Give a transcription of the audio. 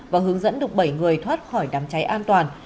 và hướng dẫn được bảy người thoát khỏi đám cháy an toàn